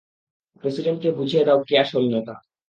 প্রেসিডেন্টকে বুঝিয়ে দাও কে আসল নেতা।